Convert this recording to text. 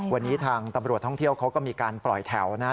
วันนี้ทางตำรวจท่องเที่ยวเขาก็มีการปล่อยแถวนะครับ